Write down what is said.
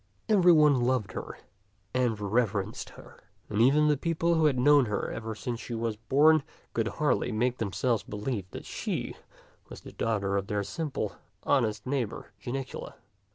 Every one loved her and reverenced her, and even the people who had known her ever since she was ti}t Ckx^'B tak 147 born could hardly make themselves believe that she was the daughter of their simple, honest neighbor Jan icula.